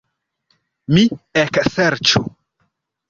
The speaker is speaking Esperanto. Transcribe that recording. Mi ekserĉu.